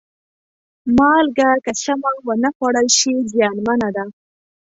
مالګه که سمه ونه خوړل شي، زیانمنه ده.